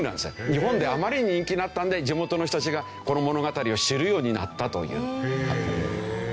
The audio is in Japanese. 日本であまりに人気になったので地元の人たちがこの物語を知るようになったという。